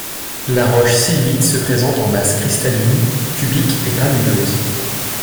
La roche sylvite se présente en masse cristallines, cubiques et granuleuses.